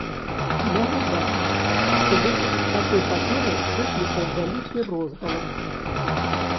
Нагадаем, што выпуск такой паперы выклікаў вялікі розгалас.